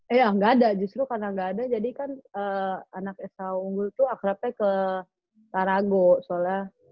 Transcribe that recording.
eh ga ada justru karena ga ada jadi kan anak s a unggul tuh akrabnya ke tanago soalnya